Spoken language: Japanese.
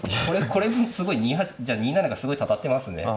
これもすごい２八じゃあ２七がすごいたたってますね。